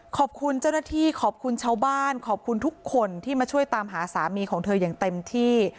ขอบคุณเจ้าหน้าที่ขอบคุณชาวบ้านขอบคุณทุกคนที่มาช่วยตามหาสามีของเธออย่างเต็มที่